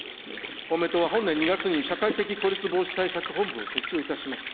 公明党は本年２月に社会的孤立対策本部を設置をいたしました。